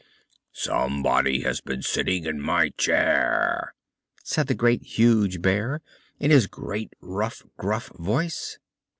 "SOMEBODY HAS BEEN SITTING IN MY CHAIR!" said the Great, Huge Bear, in his great, rough, gruff voice.